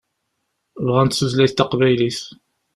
Bɣant tutlayt taqbaylit.